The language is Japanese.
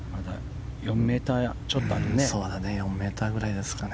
４ｍちょっとあるね。